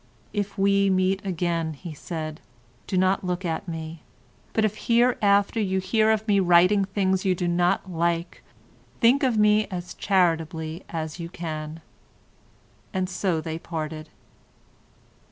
"If we meet again," he said, "do not look at me, but if hereafter you hear of me writing things you do not like, think of me as charitably as you can," and so they parted.